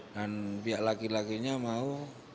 dan pihak laki lakinya mau